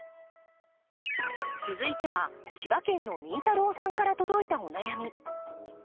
続いては千葉県のみーたろうさんから届いたお悩み。